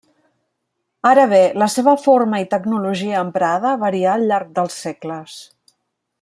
Ara bé, la seva forma i tecnologia emprada varià al llarg dels segles.